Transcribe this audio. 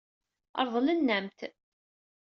Ṛeḍlen-am-t.